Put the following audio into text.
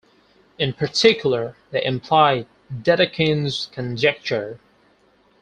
In particular, they imply Dedekind's conjecture.